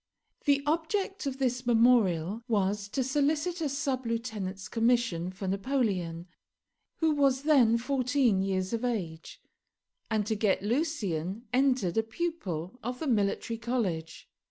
The object of this memorial was to solicit a sub lieutenant's commission for Napoleon, who was then fourteen years of age, and to get Lucien entered a pupil of the Military College.